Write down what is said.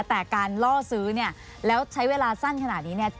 แต่การล่อซื้อเนี่ยแล้วใช้เวลาสั้นขนาดนี้เนี่ย